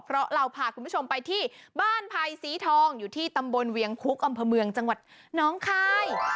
เพราะเราพาคุณผู้ชมไปที่บ้านภัยสีทองอยู่ที่ตำบลเวียงคุกอำเภอเมืองจังหวัดน้องคาย